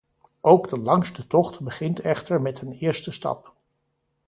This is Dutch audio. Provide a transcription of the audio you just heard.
Ook de langste tocht begint echter met een eerste stap.